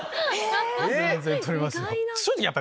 全然取りますね。